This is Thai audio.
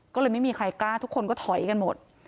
ก็เลยไม่มีใครกล้าทุกคนก็ถอยกันหมด